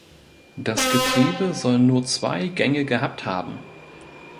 Das Getriebe soll nur zwei Gänge gehabt haben.